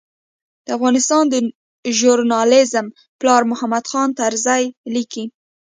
د افغانستان د ژورنالېزم پلار محمود خان طرزي لیکي.